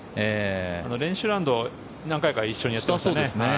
練習ラウンドを何回か一緒にやっていますね。